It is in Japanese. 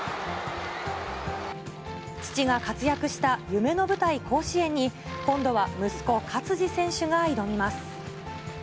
父が活躍した夢の舞台、甲子園に、今度は息子、勝児選手が挑みます。